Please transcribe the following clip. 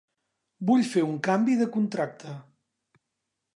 Vull fer un canvi de contracte.